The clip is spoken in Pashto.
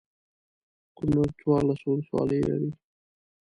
کنړ څوارلس ولسوالۍ لري.